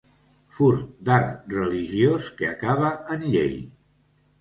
Furt d'art religiós que acaba en llei.